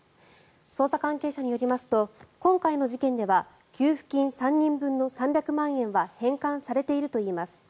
捜査関係者によりますと今回の事件では給付金３人分の３００万円は返還されているといいます。